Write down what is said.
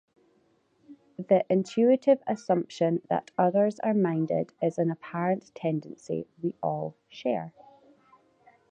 The intuitive assumption that others are minded is an apparent tendency we all share.